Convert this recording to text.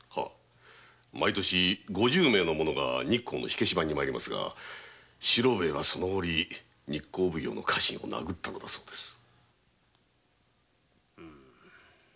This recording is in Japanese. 毎年五十名が日光の「火消番」に参りますが猪熊はその時日光奉行の家臣を殴ったのだそうです。